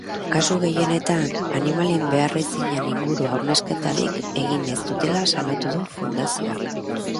Kasu gehienetan, animalien beharrizanen inguru hausnarketarik egin ez dutela salatu du fundazioak.